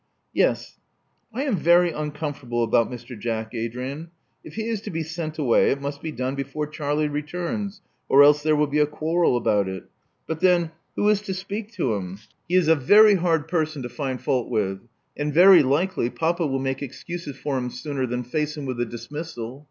" Yes. — I am very uncomfortable about Mr. Jack, Adrian. If he is to be sent away, it must be done before Charlie returns, or else there will be a quarrel about it. But then, who is to speak to him? He is a 48 Love Among the Artists very hard person to find fault with; and very likely papa will make excuses for him sooner than face him with a dismissal.